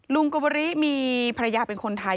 ลุงโกบุริมีภาพยาเป็นคนไทย